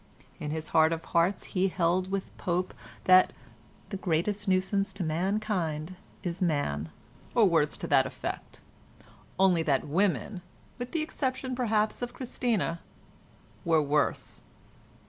In his heart of hearts he held with Pope that "the greatest nuisance to mankind is man" or words to that effect—only that women, with the exception perhaps of Christina, were worse.